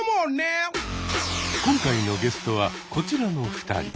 今回のゲストはこちらの２人。